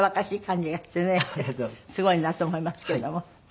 すごいなと思いますけれども。